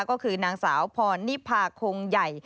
ก็คือนางสาวพอนิภาคงไย